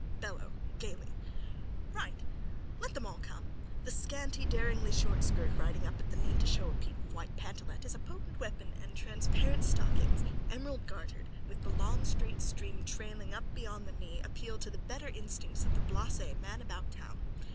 BELLO: (Gaily.) Right. Let them all come. The scanty, daringly short skirt, riding up at the knee to show a peep of white pantalette, is a potent weapon and transparent stockings, emeraldgartered, with the long straight seam trailing up beyond the knee, appeal to the better instincts of the blasé man about town.